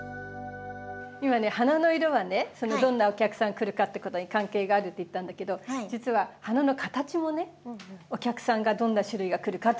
今ね花の色はねどんなお客さん来るかってことに関係があるって言ったんだけど実は花の形もねお客さんがどんな種類が来るかってことと関係があるんですね。